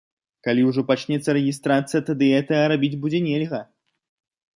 Калі ўжо пачнецца рэгістрацыя, тады гэтага рабіць будзе нельга.